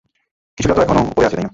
কিছুটা তো এখনও উপরে আছে, তাই না?